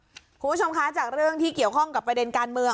คุณผู้ชมคะจากเรื่องที่เกี่ยวข้องกับประเด็นการเมือง